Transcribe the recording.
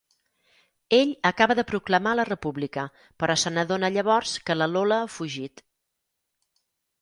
Ell acaba de proclamar la República, però se n'adona llavors que la Lola ha fugit.